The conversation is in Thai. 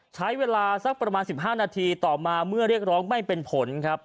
ใช้เวลาสักประมาณ๑๕นาทีต่อมาเมื่อเรียกร้องไม่เป็นผลครับ